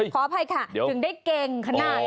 ขออภัยค่ะถึงได้เก่งขนาดนี้